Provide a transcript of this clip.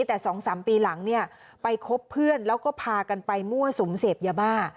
แต่๒๓ปีหลังเนี่ยไปคบเพื่อนแล้วก็พากันไปมั่วสุมเสพยาบ้า